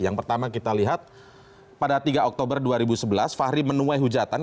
yang pertama kita lihat pada tiga oktober dua ribu sebelas fahri menuai hujatan